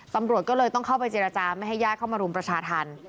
ตำรวจก็เลยต้องเข้าไปเจรจาไม่ให้ญาติเข้ามารุมประชาธรรม